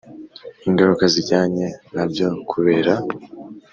ingaruka zijyanye nabyo kubera